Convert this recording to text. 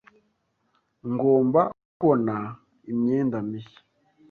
Ngomba kubona imyenda mishya